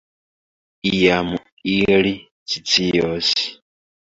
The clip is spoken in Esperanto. Iam ili scios.